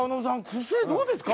クセどうですか？」